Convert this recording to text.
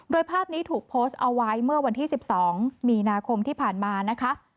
โดยภาพนี้ถูกโพสต์เอาไว้เมื่อวันที่๑๒มีนาคมที่ผ่านมานะคะ